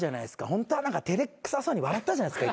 ホントは照れくさそうに笑ったじゃないですか。